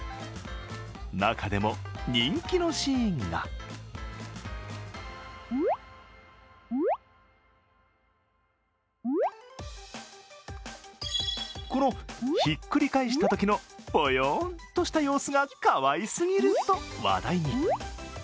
中でも人気のシーンがこのひっくり返したときのぽよんとした様子がかわいすぎると話題に。